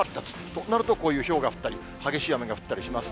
となると、こういうひょうが降ったり、激しい雨が降ったりします。